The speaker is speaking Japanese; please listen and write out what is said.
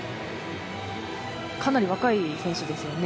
かなり若い選手ですよね。